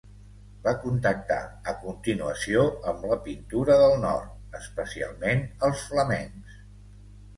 Va contactar, a continuació, amb la pintura del nord, especialment els flamencs.